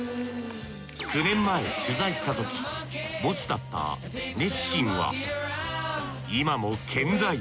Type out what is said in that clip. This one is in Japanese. ９年前取材したときボスだったネッシンは今も健在。